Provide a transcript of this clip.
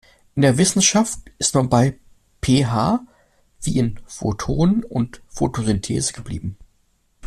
In der Wissenschaft ist man bei P H wie in Photon und Photosynthese geblieben.